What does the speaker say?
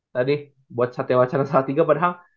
tadi buat satya wacana salah tiga padahal